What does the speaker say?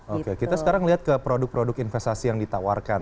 oke kita sekarang lihat ke produk produk investasi yang ditawarkan